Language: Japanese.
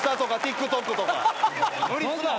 無理すな。